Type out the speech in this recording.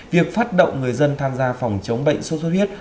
việc phát động người dân tham gia phòng chống bệnh sốt xuất huyết